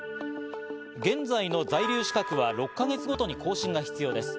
現在の在留資格は６か月ごとに更新が必要です。